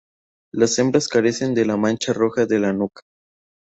Las hembras carecen de la mancha roja de la nuca.